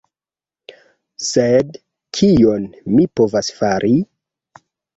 Sed kion mi povas fari?